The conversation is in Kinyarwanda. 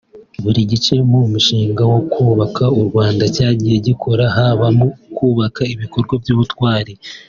Buri gice mu mushinga wo kubaka u Rwanda cyagiye gikora haba mu kubaka ibikorwa by’ubutwari